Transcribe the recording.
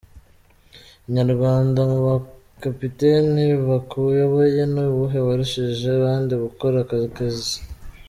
Inyarwanda: Mu bakapiteni bakuyoboye ni uwuhe warishije abandi gukora ako kazi?.